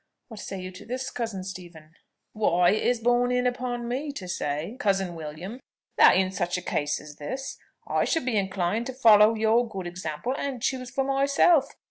What say you to this, cousin Stephen?" "Why, it is borne in upon me to say, cousin William, that, in such a case as this, I should be inclined to follow your good example, and choose for myself.